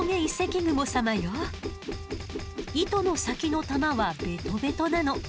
糸の先の球はベトベトなの。